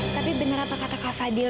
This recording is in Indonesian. tapi benar apa kata kak fadil